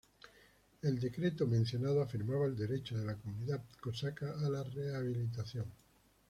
El decreto mencionado afirmaba el derecho de la comunidad cosaca a la rehabilitación.